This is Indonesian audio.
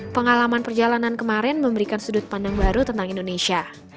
pengalaman perjalanan kemarin memberikan sudut pandang baru tentang indonesia